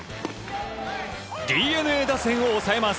ＤｅＮＡ打線を抑えます。